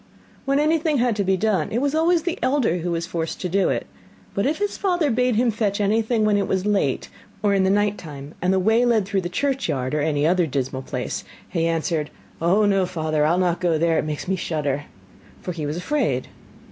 When anything had to be done, it was always the elder who was forced to do it; but if his father bade him fetch anything when it was late, or in the night time, and the way led through the churchyard, or any other dismal place, he answered: 'Oh, no father, I'll not go there, it makes me shudder!' for he was afraid.